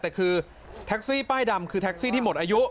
แต่คือแท็กซี่ป้ายดำคือแท็กซี่ที่หมดอายุ